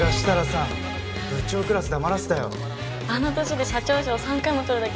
あの年で社長賞３回も取るだけの事あるよね。